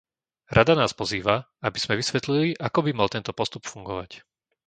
Rada nás pozýva, aby sme vysvetlili, ako by mal tento postup fungovať.